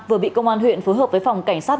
vừa bị công an huyện phối hợp với phòng cảnh sát